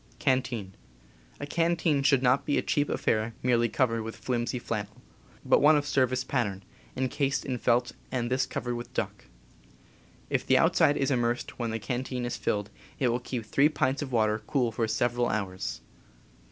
A canteen should not be a cheap affair merely covered with flimsy flannel, but one of service pattern, incased p in felt and this covered with duck. If the outside is immersed when the can teen is filled it will keep three pints of water cool for several hours.